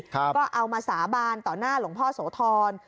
ก็เอามาสาบานต่อหน้าหลวงพ่อโสธร